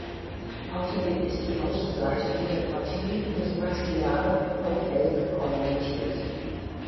Außerdem ist die Außenseite dieser Partie des Maxillare auffällig ornamentiert.